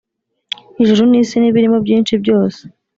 Ijuru n’isi n’ibirimo byinshi byose